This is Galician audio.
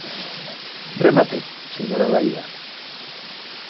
Remate, señora Daira.